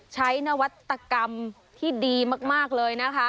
นวัตกรรมที่ดีมากเลยนะคะ